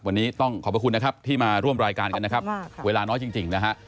วันนี้ต้องขอบพระคุณนะครับที่มาร่วมรายการกันนะครับเวลาน้อยจริงนะฮะ